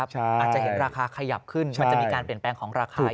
อาจจะเห็นราคาขยับขึ้นมันจะมีการเปลี่ยนแปลงของราคา